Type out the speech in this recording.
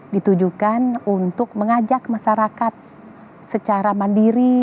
ditujukan untuk mengajak masyarakat secara mandiri